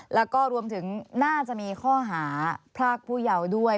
แล้วก็รวมถึงน่าจะมีข้อหาพรากผู้เยาว์ด้วย